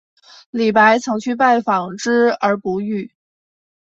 李白曾去拜访之而不遇。